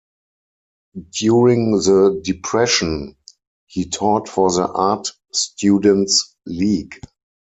During the depression he taught for the Art Students League.